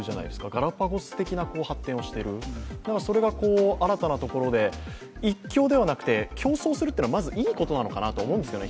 ガラパゴス的な発展をしている、それが新たなところで一強ではなくて競争するっていうのはまずいいことなのかなと思うんですけど。